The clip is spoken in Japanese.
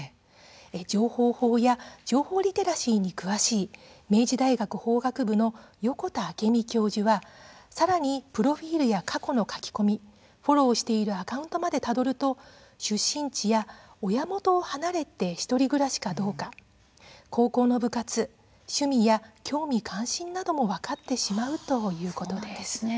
情報法や情報リテラシーに詳しい明治大学法学部の横田明美教授はさらに、プロフィールや過去の書き込みフォローしているアカウントまでたどると出身地や親元を離れて１人暮らしかどうか高校の部活、趣味や興味関心なども分かってしまうということです。